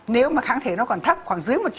nếu mà kháng thể nó còn thấp khoảng dưới một trăm